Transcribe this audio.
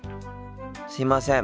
すいません。